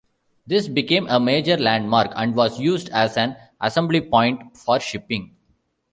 This became a major landmark, and was used as an assembly point for shipping.